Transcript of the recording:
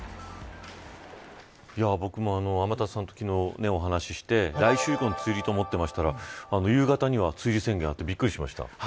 僕も、天達さんと昨日お話して来週以降に梅雨入りと思っていたら夕方には梅雨入り宣言があってびっくりしました。